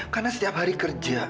karena setiap hari kerja